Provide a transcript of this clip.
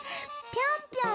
ぴょんぴょん？